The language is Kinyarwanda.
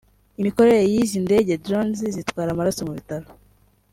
Imikorere y’izi ndege (Drones) zitwara amaraso mu bitaro